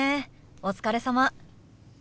お疲れさま。